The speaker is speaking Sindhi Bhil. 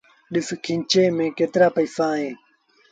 ڏس کينچي ميݩ ڪيترآ پئيٚسآ اهيݩ۔